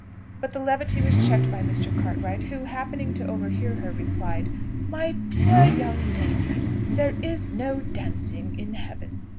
but the levity was checked by Mr. Cartwright, who, happening to overhear her, replied, "My dear young lady, there is no dancing in heaven!"